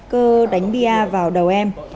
cơ đánh bia vào đầu em